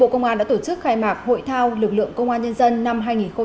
công an đã tổ chức khai mạc hội thao lực lượng công an nhân dân năm hai nghìn một mươi tám